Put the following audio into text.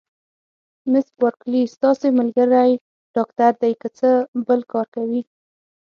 مس بارکلي: ستاسي ملګری ډاکټر دی، که څه بل کار کوي؟